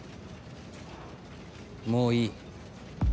もういい。